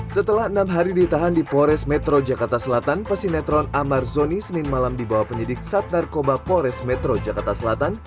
setelah enam hari ditahan di pores metro jakarta selatan pesinetron amar zoni senin malam dibawa penyidik sat narkoba polres metro jakarta selatan